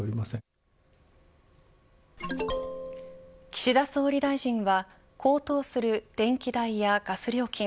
岸田総理大臣が高騰する電気代やガス料金